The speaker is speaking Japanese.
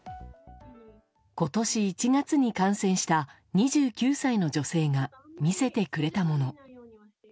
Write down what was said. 今年１月に感染した２９歳の女性が見せてくれたもの。